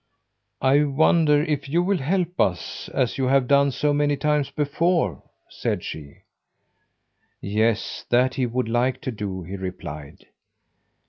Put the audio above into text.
"I wonder if you will help us, as you have done so many times before," said she. Yes, that he would like to do, he replied.